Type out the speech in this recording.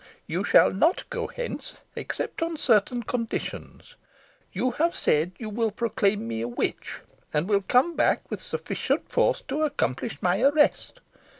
You shall not go hence, except on certain conditions. You have said you will proclaim me a witch, and will come back with sufficient force to accomplish my arrest.